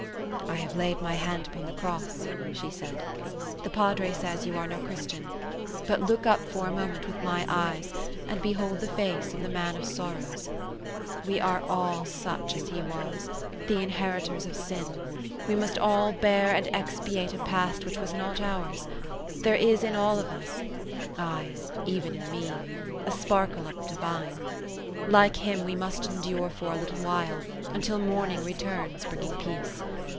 "I have laid my hand upon the cross," she said. "The Padre says you are no Christian; but look up for a moment with my eyes, and behold the face of the Man of Sorrows. We are all such as He was—the inheritors of sin; we must all bear and expiate a past which was not ours; there is in all of us—ay, even in me—a sparkle of the divine. Like Him, we must endure for a little while, until morning returns bringing peace.